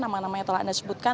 nama namanya telah anda sebutkan